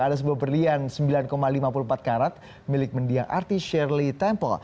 ada sebuah berlian sembilan lima puluh empat karat milik mendiang artis shirley tempel